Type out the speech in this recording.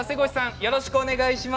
よろしくお願いします。